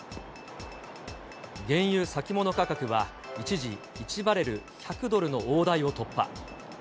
原油先物価格は、一時、１バレル１００ドルの大台を突破。